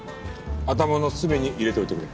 頭の隅に入れておいてくれ。